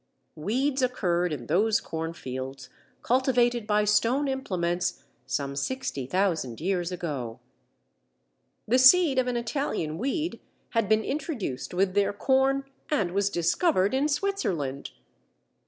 Weeds occurred in those cornfields, cultivated by stone implements, some 60,000 years ago. The seed of an Italian weed had been introduced with their corn, and was discovered in Switzerland!